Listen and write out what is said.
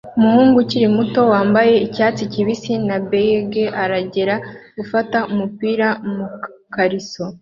Umuhungu ukiri muto wambaye icyatsi kibisi na beige aragera gufata umupira mukariso